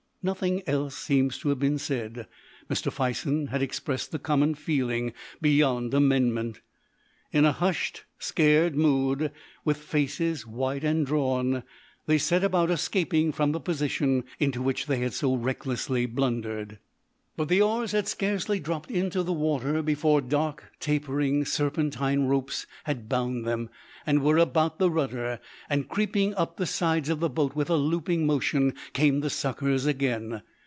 Nothing else seems to have been said. Mr. Fison had expressed the common feeling beyond amendment. In a hushed, scared mood, with faces white and drawn, they set about escaping from the position into which they had so recklessly blundered. But the oars had scarcely dropped into the water before dark, tapering, serpentine ropes had bound them, and were about the rudder; and creeping up the sides of the boat with a looping motion came the suckers again.